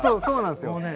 そうなんですよ。